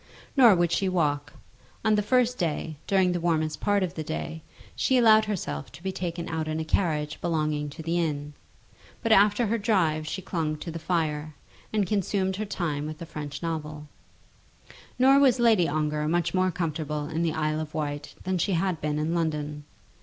Nor would she walk. On the first day, during the warmest part of the day, she allowed herself to be taken out in a carriage belonging to the inn; but after her drive she clung to the fire, and consumed her time with a French novel. Nor was Lady Ongar much more comfortable in the Isle of Wight than she had been in London.